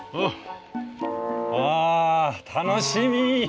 あ楽しみ。